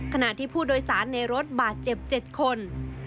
ขณะที่ผู้โดยสารในรถบาดเจ็บ๗คน